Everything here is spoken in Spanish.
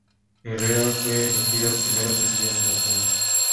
Herrera fue elegida primera presidenta de Themis.